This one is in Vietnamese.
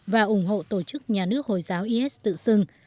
và ủng hộ tổ chức nhà nước hồi giáo is tự xưng